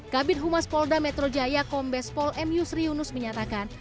kabin humas polda metrojaya kombes pol mu sri yunus menyatakan